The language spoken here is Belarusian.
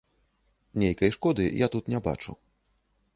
Нейкай шкоды я тут не бачу.